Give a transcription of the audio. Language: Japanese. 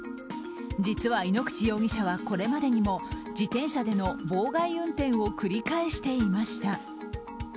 実は井ノ口容疑者はこれまでにも自転車での妨害運転を繰り返していました。